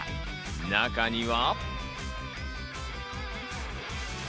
中には。